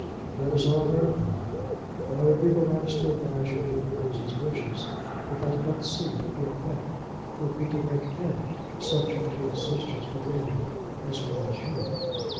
"That is all very well; and I would be the last to advise you to oppose his wishes if I did not see that the effect would be to make him subject to his sisters' dominion as well as you.